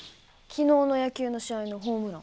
昨日の野球の試合のホームラン。